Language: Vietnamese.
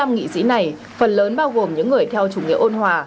bốn mươi năm nghị sĩ này phần lớn bao gồm những người theo chủ nghĩa ôn hòa